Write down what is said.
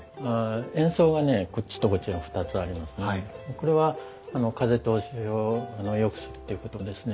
これは風通しをよくするっていうことですね。